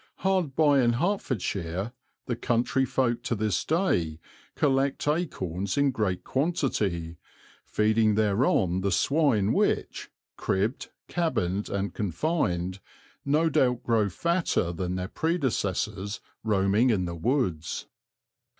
Hard by in Hertfordshire the country folk to this day collect acorns in great quantity, feeding thereon the swine which, cribbed, cabined, and confined, no doubt grow fatter than their predecessors roaming in the woods.